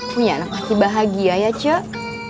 punya anak pasti bahagia ya cek